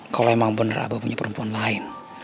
kalo emang bener abah punya perempuan lain